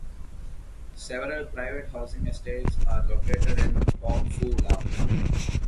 Several private housing estates are located in Pok Fu Lam.